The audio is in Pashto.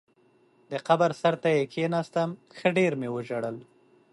د قبر سر ته یې کېناستم، ښه ډېر مې وژړل.